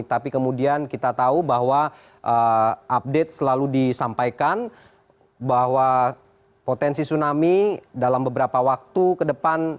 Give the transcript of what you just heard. tapi kemudian kita tahu bahwa update selalu disampaikan bahwa potensi tsunami dalam beberapa waktu ke depan